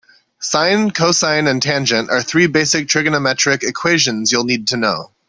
Sine, cosine and tangent are three basic trigonometric equations you'll need to know.